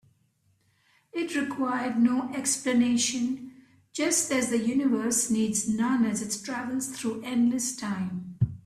It required no explanation, just as the universe needs none as it travels through endless time.